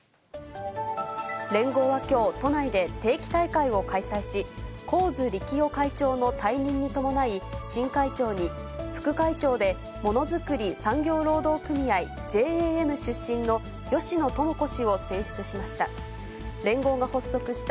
連合はきょう、都内で定期大会を開催し、神津里季生会長の退任に伴い、新会長に、副会長で、ものづくり産業労働組合・ＪＡＭ出身の芳野友子氏を選出しました。